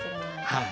はい。